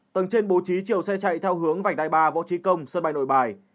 tầng trên bố trí chiều xe chạy theo hướng vành đai ba võ trí công sân bay nội bài